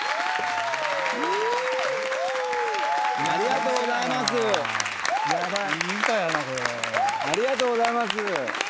ありがとうございます。